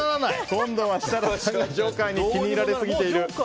今度は設楽さんがジョーカーに気に入られすぎている。